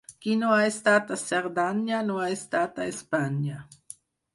Qui no ha estat a Cerdanya no ha estat a Espanya.